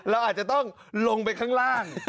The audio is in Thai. เราอาจจะต้องลงไปข้างล่าง